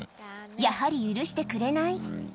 やはり許してくれない。